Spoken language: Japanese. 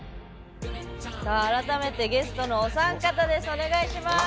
改めてゲストのお三方です。